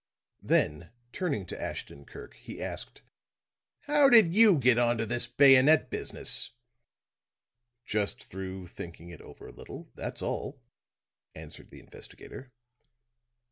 Then turning to Ashton Kirk he asked: "How did you get onto this bayonet business?" "Just through thinking it over a little, that's all," answered the investigator. Mr.